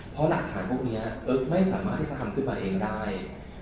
เพราะหลักฐานพวกนี้ไม่สามารถที่จะทำขึ้นมาเองได้